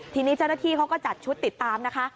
ที่นี้ศาลธีเขาก็จัดชุดติดตามนะคะ